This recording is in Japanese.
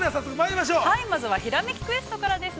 ◆まずは、「ひらめきクエスト」からです。